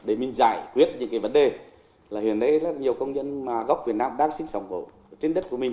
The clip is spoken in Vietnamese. để mình giải quyết những cái vấn đề là hiện nay rất nhiều công nhân mà gốc việt nam đang sinh sống trên đất của mình